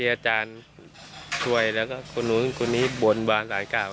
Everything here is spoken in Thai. อาจารย์ช่วยแล้วก็คนนู้นคนนี้บนบานสารกล่าว